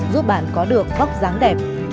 giúp bạn có được phóc dáng đẹp